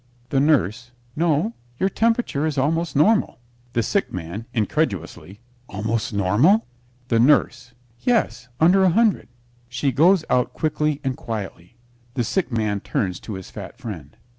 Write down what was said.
THE NURSE No; your temperature is almost normal. THE SICK MAN (incredulously) Almost normal? THE NURSE Yes; under a hundred. She goes out quickly and quietly. The Sick Man turns to his fat friend.